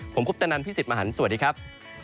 ผมคุปตะนันพี่สิทธิ์มหันฯสวัสดีครับ